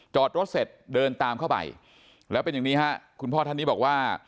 จอดรถเสร็จเดินตามเข้าไปแล้วเป็นอย่างนี้ฮะคุณพ่อท่านนี้บอกว่า